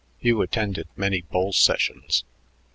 Hugh attended many bull sessions.